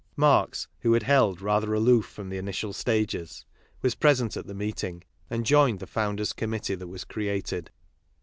Marx, who had held rather aloof from the initial stao es, was present at the meeting, and joined the Founders' Com mittee that was created.